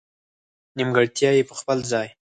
نېمګړتیا یې په خپل ځای.